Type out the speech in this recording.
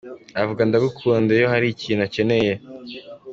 Avuga ‘ndagukunda’ iyo hari ikintu akeneye.